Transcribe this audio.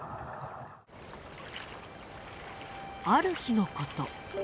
ある日のこと。